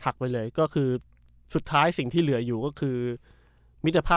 หักไว้เลยที่สุดท้ายสิ่งที่เหลืออยู่ก็คือมิสั